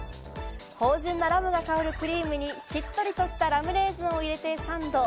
芳醇なラムが香るクリームにしっとりとしたラムレーズンを入れてサンド。